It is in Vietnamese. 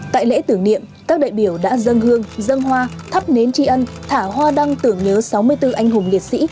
tại lễ thử nghiệm các đại biểu đã dâng hương dâng hoa thắp nến tri ân thả hoa đăng tưởng nhớ sáu mươi bốn anh hùng liệt sĩ